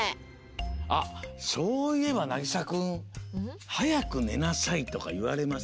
あっそういえばなぎさくん「はやくねなさい」とかいわれませんか？